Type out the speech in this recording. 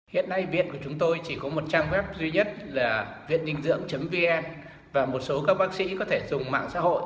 hiện nay viện của chúng tôi chỉ có một trang web duy nhất là việninhdưỡng vn và một số các bác sĩ có thể dùng mạng xã hội